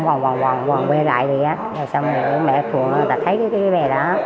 xong rồi mẹ phượng ta thấy cái bé đó